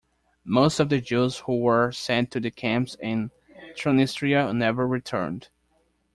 Most of the Jews who were sent to the camps in Transnistria never returned.